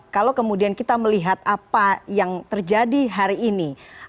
kalau kemudian kita melihat apa yang terjadi hari ini